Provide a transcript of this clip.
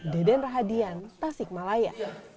deden rahadian tasikmalaya